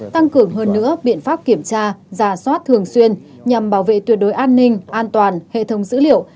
tăng cường hơn nữa biện pháp kiểm tra giả soát thường xuyên nhằm bảo vệ tuyệt đối an ninh an toàn hệ thống dữ liệu